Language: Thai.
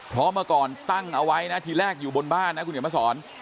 เพราะเมื่อก่อนตั้งเอาไว้นะทีแรกอยู่บนบ้านนะคุณเดี๋ยวมาสอน